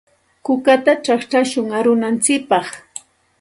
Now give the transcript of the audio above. Kukata chaqchashun arunantsikpaq.